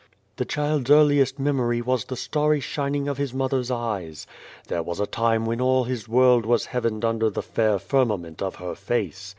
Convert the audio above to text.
" The child's earliest memory was the starry shining of his mother's eyes. There was a time when all his world was heavened under the fair firmament of her face.